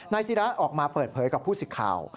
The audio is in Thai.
ศิราออกมาเปิดเผยกับผู้สิทธิ์ข่าว